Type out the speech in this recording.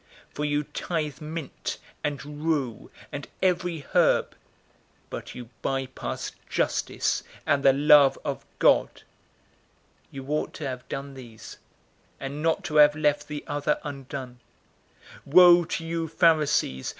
For you tithe mint and rue and every herb, but you bypass justice and the love of God. You ought to have done these, and not to have left the other undone. 011:043 Woe to you Pharisees!